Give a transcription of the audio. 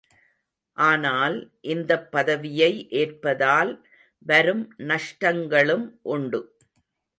ஆனால், இந்தப் பதவியை ஏற்பதால் வரும் நஷ்டங்களும் உண்டு.